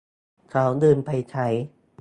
เขาดึงไปใช้